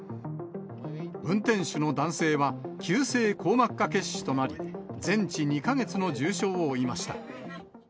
運転手の男性は、急性硬膜下血腫となり、全治２か月の重傷を負いました。